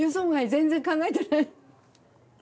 全然考えてない。